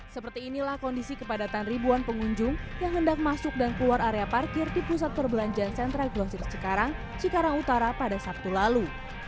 seperti inilah kondisi kepadatan ribuan pengunjung yang hendak masuk dan keluar area parkir di pusat perbelanjaan centra glosir cikarang cikarang utara pada sabtu lalu